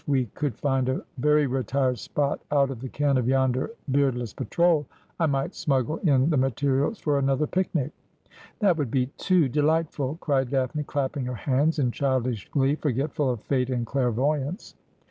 ■we could find a very retired spot out of the ken of yonder beardless patrol, I might smuggle in the materials for another picnic' ' That would be too delightful,' cried Daphne, clapping her hands in childish glee, forgetful of fate and clairvoyance.